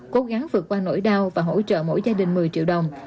cố gắng vượt qua nỗi đau và hỗ trợ mỗi gia đình một mươi triệu đồng